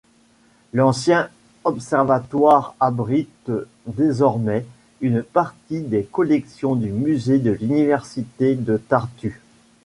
L'ancien observatoire abrite désormais une partie des collections du Musée de l'Université de Tartu.